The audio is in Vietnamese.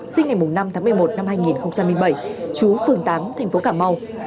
sinh ngày năm tháng một mươi một năm hai nghìn một mươi bảy chú phường tám thành phố cảm mau